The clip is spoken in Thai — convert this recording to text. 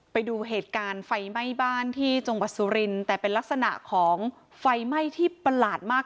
ไปดูเหตุการณ์ไฟไหม้บ้านที่จังหวัดสุรินแต่เป็นลักษณะของไฟไหม้ที่ประหลาดมาก